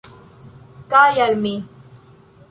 Kaj al mi.